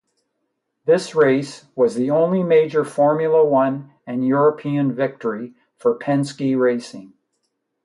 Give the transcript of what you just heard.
This race was the only major Formula One and European victory for Penske Racing.